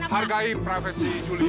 hargai profesi julie ya